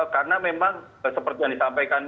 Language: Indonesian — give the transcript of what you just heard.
karena memang seperti yang disampaikan